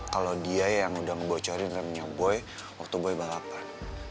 kalau dia yang udah ngebocorin remnya boy waktu boy balapan